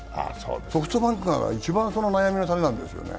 ソフトバンクが一番その悩みの種なんですよね